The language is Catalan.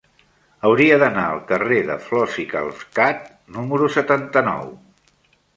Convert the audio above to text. Hauria d'anar al carrer de Flos i Calcat número setanta-nou.